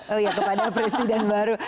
oh ya kepada presiden baru